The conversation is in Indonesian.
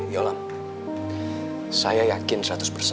kau rupanya berpikir pikir itu untuk dia